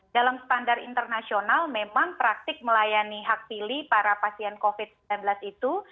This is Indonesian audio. dalam standar internasional memang praktik melayani hak pilih para pasien covid sembilan belas itu